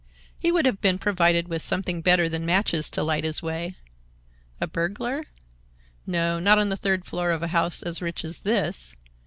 He would have been provided with something better than matches to light his way. A burglar? No, not on the third floor of a house as rich as this.